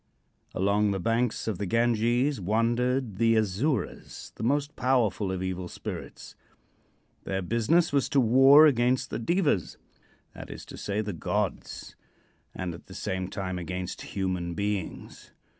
Along the banks of the Ganges wandered the Asuras, the most powerful of evil spirits. Their business was to war against the Devas that is to say, the gods and at the same time against human beings.